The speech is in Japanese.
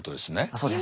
そうです。